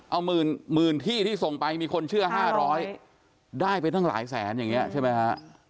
เอาหมื่นที่ที่ส่งไปมีคนเชื่อ๕๐๐ได้ไปตั้งหลายแสนอย่างนี้ใช่ไหมฮะ